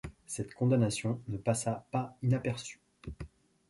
Cette condamnation ne passa pas inaperçue.